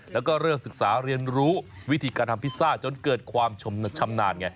แล้วก็เริ่มศึกษาเรียนรู้วิธีการทำพิซซ่าจนเกิดความชำนาญไง